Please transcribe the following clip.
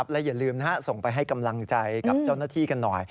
และอย่าลืมส่งไปให้กำลังใจกับเจ้าหน้าที่กันหน่อย